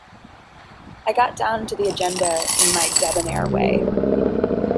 I got down to the agenda in my debonair way.